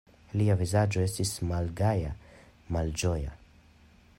Lia vizaĝo estis malgaja, malĝoja.